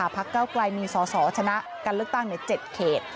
พักเก้าไกลมีสอสอชนะการเลือกตั้งใน๗เขต